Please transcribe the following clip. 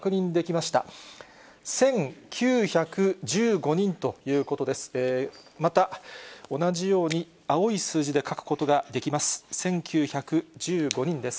また同じように青い数字で書くことができます。